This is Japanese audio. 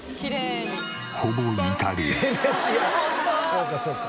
そうかそうか。